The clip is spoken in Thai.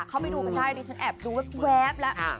เข้าไปดูกันได้ดิฉันแอบดูแว๊บแล้ว